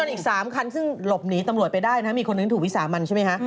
อีก๓คันซึ่งหลบหนีตำรวจไปได้นะมีคนหนึ่งถูกวิสามันใช่ไหมคะ